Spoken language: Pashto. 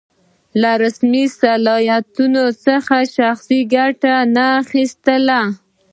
له رسمي صلاحیت څخه شخصي ګټه نه اخیستل.